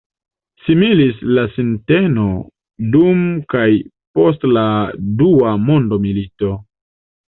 Similis la sinteno dum kaj post la dua mondomilito.